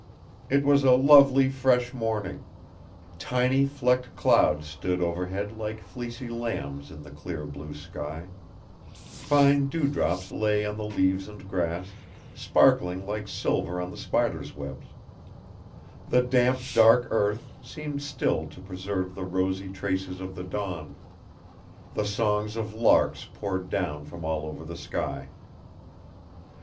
It was a lovely fresh morning; tiny flecked clouds stood overhead like fleecy lambs in the clear blue sky; fine dewdrops lay on the leaves and grass, sparkling like silver on the spiders' webs; the damp dark earth seemed still to preserve the rosy traces of the dawn; the songs of larks poured down from all over the sky.